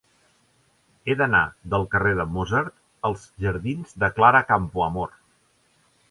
He d'anar del carrer de Mozart als jardins de Clara Campoamor.